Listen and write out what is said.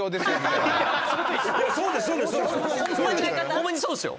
ホンマにそうですよ。